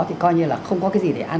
thì coi như là không có cái gì để ăn